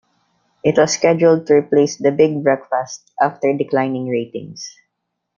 It was scheduled to replace "The Big Breakfast" after declining ratings.